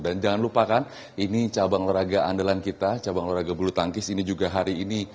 dan jangan lupakan ini cabang olahraga andalan kita cabang olahraga bulu tangkis ini juga hari ini